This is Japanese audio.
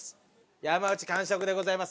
山内完食でございます。